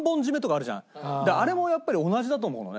あれもやっぱり同じだと思うのね。